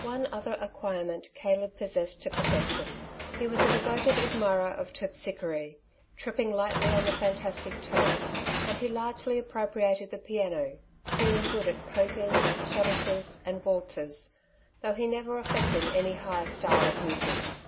One other acquirement Caleb possessed to perfec tion. He was a devoted admirer of Terpsichore, tripping lightly on the fantastic toe, and he largely appropriated the piano, being good at polkas, schottisches, and waltzesj though he never affected any higher style of music.